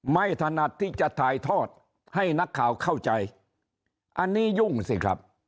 ถนัดที่จะถ่ายทอดให้นักข่าวเข้าใจอันนี้ยุ่งสิครับ